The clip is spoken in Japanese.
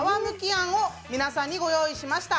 あんを皆さんにご用意しました。